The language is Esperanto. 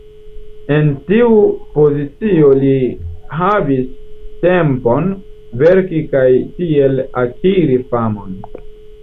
En tiu pozicio li havis tempon verki kaj tiel akiri famon.